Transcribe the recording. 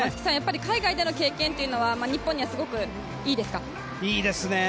海外での経験というのは日本にはすごくいいですか？